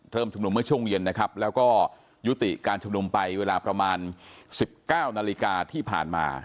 ชุมนุมเมื่อช่วงเย็นนะครับแล้วก็ยุติการชุมนุมไปเวลาประมาณ๑๙นาฬิกาที่ผ่านมา